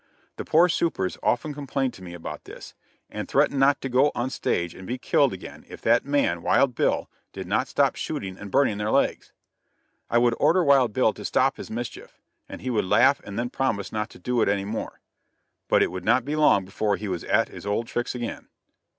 The poor "supers" often complained to me about this, and threatened not to go on the stage and be killed again if that man Wild Bill did not stop shooting and burning their legs. I would order Wild Bill to stop his mischief; he would laugh and then promise not to do it any more. But it would not be long before he was at his old tricks again.